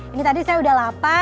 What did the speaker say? ini tadi saya udah lapar